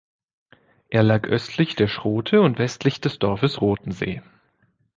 Er lag östlich der Schrote und westlich des Dorfes Rothensee.